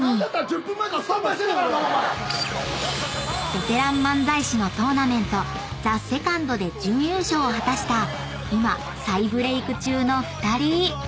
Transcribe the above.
［ベテラン漫才師のトーナメントＴＨＥＳＥＣＯＮＤで準優勝を果たした今再ブレーク中の２人］